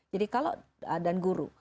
jadi kalau dan guru